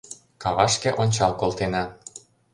Кавашке ончал колтена.